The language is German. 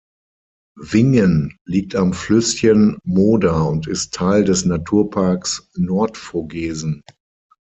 Wingen liegt am Flüsschen Moder und ist Teil des Naturparks Nordvogesen.